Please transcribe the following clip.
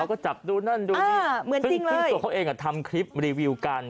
เขาก็จับดูนั่นดูนี่ปิ้งสัวเขาเองทำคลิปรีวิวการ